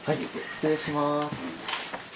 失礼します。